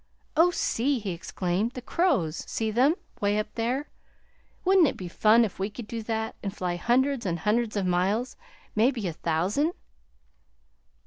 "Oh, see!" he exclaimed. "The crows! See them? 'way up there? Wouldn't it be fun if we could do that, and fly hundreds and hundreds of miles, maybe a thousand?"